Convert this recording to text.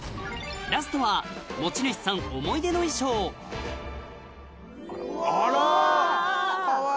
ラストは持ち主さん思い出の衣装うわ。